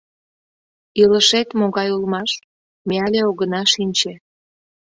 Илышет могай улмаш, ме але огына шинче.